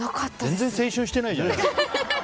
全然青春してないじゃん！